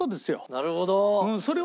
なるほど。